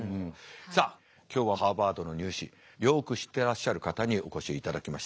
さあ今日はハーバードの入試よく知ってらっしゃる方にお越しいただきました。